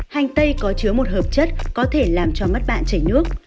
hành tây có chứa một hợp chất có thể làm cho mắt bạn chảy nước